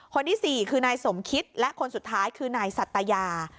คนที่๔คือนายสมคิดและคนสุดท้ายคือนายสัตยา